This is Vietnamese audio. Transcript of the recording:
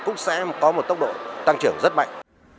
cũng sẽ có một tốc độ tăng trưởng rất mạnh